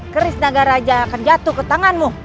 kerisnaga raja akan jatuh ke tanganmu